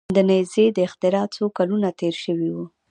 د نیزې د اختراع څو کلونه تیر شوي وو.